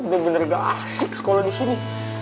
bener bener gak asik sekolah di sini